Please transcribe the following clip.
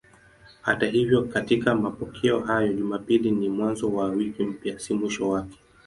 Hata hivyo katika mapokeo hayo Jumapili ni mwanzo wa wiki mpya, si mwisho wake.